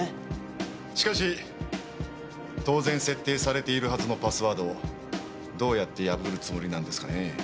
しかし当然設定されているはずのパスワードをどうやって破るつもりなんですかねぇ？